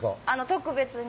特別に。